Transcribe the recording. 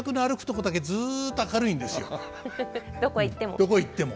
どこへ行っても。